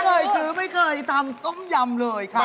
เคยซื้อไม่เคยทำต้มยำเลยค่ะ